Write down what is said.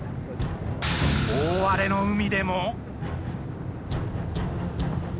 大荒れの海でも。